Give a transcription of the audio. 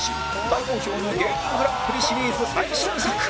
大好評の芸人グランプリシリーズ最新作